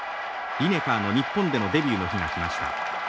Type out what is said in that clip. リネカーの日本でのデビューの日が来ました。